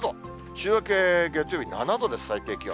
週明け月曜日、７度です、最低気温。